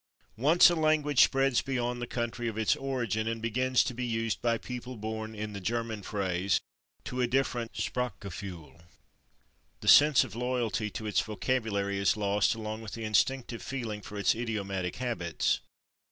Once a language spreads beyond the country of its origin and begins to be used by people born, in the German phrase, to a different /Sprachgefühl/, the sense of loyalty to its vocabulary is lost, along with the instinctive feeling for its idiomatic habits.